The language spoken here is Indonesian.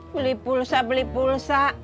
beli pulsa beli pulsa